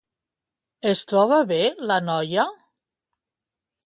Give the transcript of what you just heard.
Es troba bé la noia?